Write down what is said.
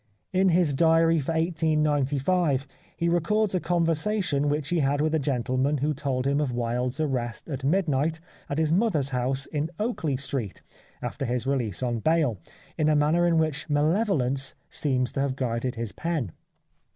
In his diary for 1895 he records a conversation which he had with a gentleman who told him of Wilde's ar rival at midnight at his mother's house in Oakley Street, after his release on bail, in a manner in which malevolence seems to have guided his pen.